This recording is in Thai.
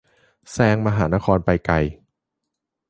แซงมหานครไปไกล